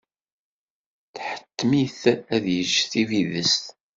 Tḥettem-it ad yecc tibidest.